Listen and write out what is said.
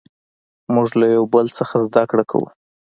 موږ له یو بل نه زدهکړه کوو.